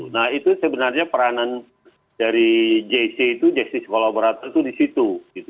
nah itu sebenarnya peranan dari jc itu justice collaborator itu di situ